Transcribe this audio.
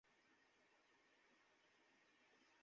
এটাই তো কথা তারা সন্ত্রাসবাদী না।